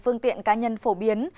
phương tiện cá nhân phổ biến